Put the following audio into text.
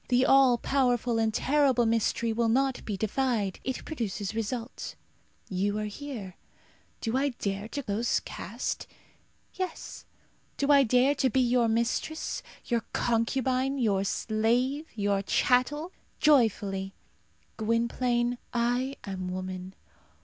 The all powerful and terrible mystery will not be defied. It produces result. You are here. Do I dare to lose caste? Yes. Do I dare to be your mistress your concubine your slave your chattel? Joyfully. Gwynplaine, I am woman.